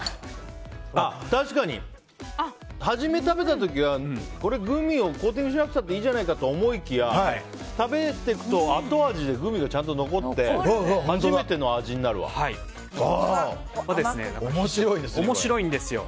確かに、はじめ食べた時はこれ、グミをコーティングしなくたっていいじゃないかと思いきや食べていくと後味でグミがちゃんと残ってて面白いんですよ。